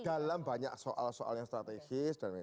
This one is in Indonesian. dalam banyak soal soal yang strategis dan lain lain